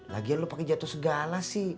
lagian lo pake jatuh segala sih